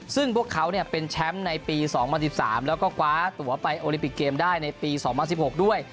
ซึ่งพวกเขาเป็นแชมป์ในปี๒๐๑๓แล้วก็คว้าตัวไปโอลิปิกเกมได้ในปี๒๐๑๖ด้วย